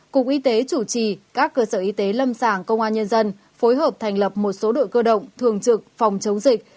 cục y tế chủ trì các cơ sở y tế lâm sàng công an nhân dân phối hợp thành lập một số đội cơ động thường trực phòng chống dịch